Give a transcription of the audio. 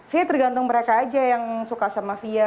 sih tergantung mereka aja yang suka sama fia